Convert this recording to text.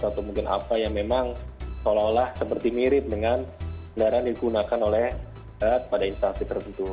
atau mungkin apa yang memang seolah olah seperti mirip dengan kendaraan yang digunakan oleh pada instansi tertentu